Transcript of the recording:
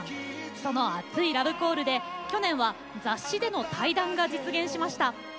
その熱いラブコールで去年は雑誌での対談が実現しました。